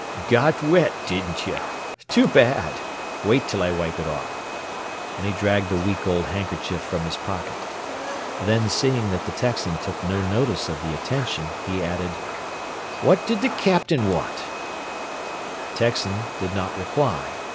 "Got wet, didn't you? Too bad! Wait till I wipe it off," and he dragged a week old handkerchief from his pocket. Then seeing that the Texan took no notice of the attention, he added, "What did the Captain want?" The Texan did not reply.